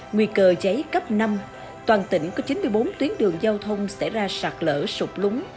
nguy cơ cháy cấp năm toàn tỉnh có chín mươi bốn tuyến đường giao thông xảy ra sạt lở sụp lúng